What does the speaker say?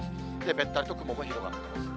べったりと雲も広がっています。